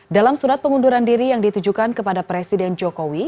dalam surat pengunduran diri yang ditujukan kepada presiden jokowi